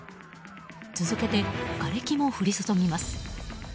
続けて、がれきも降り注ぎます。